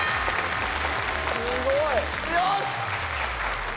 ・すごいよしっ！